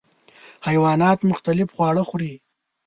حیوانات مختلف خواړه خوري.